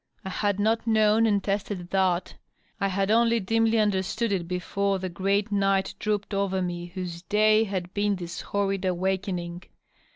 I had not known and tested ihoi; I had only dimly understood it before the great night dropped ove» me whose day had been this horrid awaken ing.